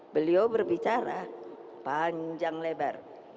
beliau berbicara panjang lebar